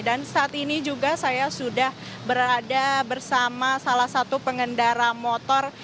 saat ini juga saya sudah berada bersama salah satu pengendara motor